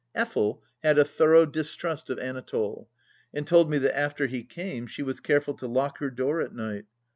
Effel, had a thorough distrust of Anatole, and told me that after he came she was careful to lock her door at night.